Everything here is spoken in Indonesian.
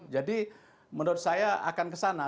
jadi menurut saya akan kesana